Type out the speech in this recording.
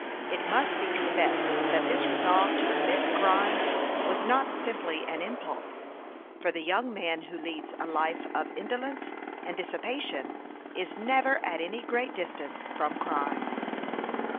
It must be confessed that this re solve to commit a crime was not simply an impulse, for the young man who leads a life of indolence and dissipation is never at any great distance from crime.